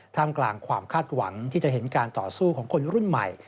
ท่ามกลางความคาดหวังที่จะเห็นการต่อสู้ของคนรุ่นใหม่